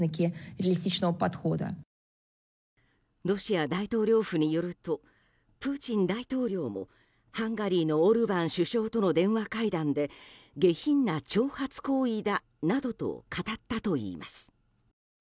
ロシア大統領府によるとプーチン大統領もハンガリーのオルバン首相との電話会談で下品な挑発行為だなどと語ったといいます。